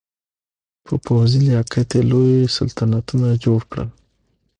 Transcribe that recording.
په پوځي لیاقت یې لوی سلطنتونه جوړ کړل.